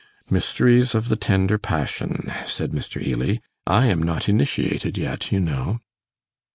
'Mysteries of the tender passion,' said Mr. Ely. 'I am not initiated yet, you know.